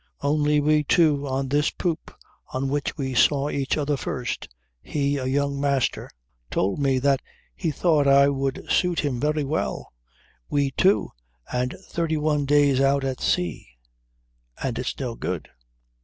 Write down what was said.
Only we two on this poop on which we saw each other first he a young master told me that he thought I would suit him very well we two, and thirty one days out at sea, and it's no good!